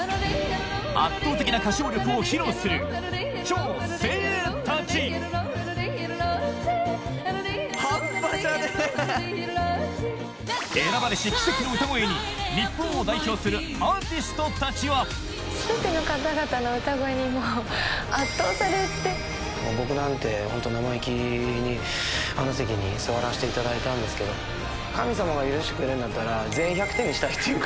圧倒的な歌唱力を披露する超精鋭たち選ばれし奇跡の歌声に日本を代表するアーティストたちは僕なんてホント生意気にあの席に座らしていただいたんですけど神様が許してくれるんだったら。